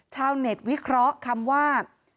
ชาวเน็ตวิเคราะห์คำว่า